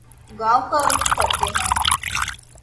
گاوں کا رخ کرتے ہیں